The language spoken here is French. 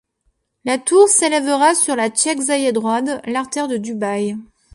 La tour s’élèvera sur la Sheikh Zayed Road, l'artère de Dubaï.